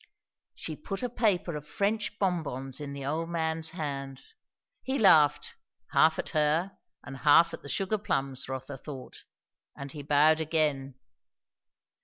She put a paper of French bonbons in the old man's hand. He laughed, half at her and half at the sugarplums, Rotha thought; and he bowed again.